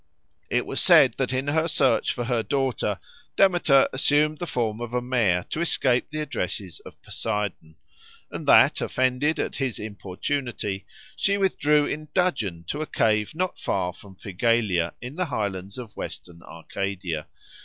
It was said that in her search for her daughter, Demeter assumed the form of a mare to escape the addresses of Poseidon, and that, offended at his importunity, she withdrew in dudgeon to a cave not far from Phigalia in the highlands of Western Arcadia.